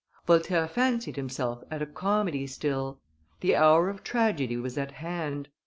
Voltaire fancied himself at a comedy still; the hour of tragedy was at hand.